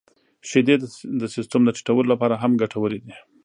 • شیدې د سیستم د ټيټولو لپاره هم ګټورې دي.